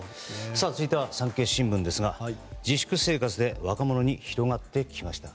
続いては、産経新聞ですが自粛生活で若者に広がってきました。